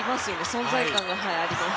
存在感があります。